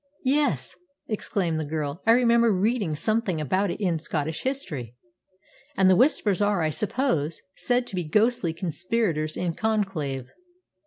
"Yes," exclaimed the girl, "I remember reading something about it in Scottish history. And the Whispers are, I suppose, said to be the ghostly conspirators in conclave."